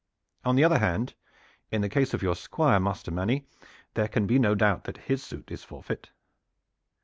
On the other hand, in the case of your Squire, Master Manny, there can be no doubt that his suit is forfeit."